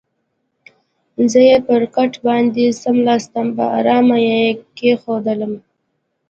زه یې پر کټ باندې څملاستم، په آرامه یې کېښودلم.